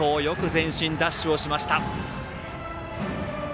前進、ダッシュをしました。